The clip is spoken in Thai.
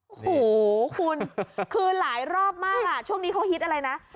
โอ้โหคุณคือหลายรอบมากช่วงนี้เขาฮิตอะไรนะ